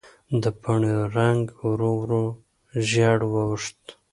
د پاڼې رنګ ورو ورو ژېړ واوښت.